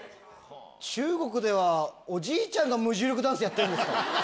中国ではおじいちゃんが無重力ダンスやってるんですか？